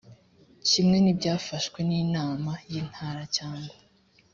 kimwe n ibyafashwe n inama y intara cyangwa